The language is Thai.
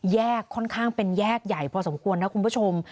ค่อนข้างเป็นแยกใหญ่พอสมควรนะคุณผู้ชม